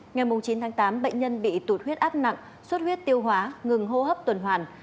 ngày chín tháng tám bệnh nhân bị tụt huyết áp nặng suất huyết tiêu hóa ngừng hô hấp tuần hoàn